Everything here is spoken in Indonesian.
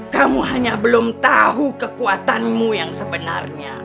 kamu hanya belum tahu kekuatanmu yang sebenarnya